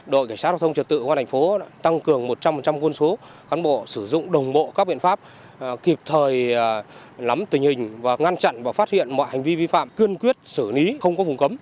đội kiểm soát giao thông trật tự công an tp hạ long đã tăng cường một trăm linh quân số khán bộ sử dụng đồng bộ các biện pháp kịp thời lắm tình hình và ngăn chặn và phát hiện mọi hành vi vi phạm cương quyết xử lý không có phùng cấm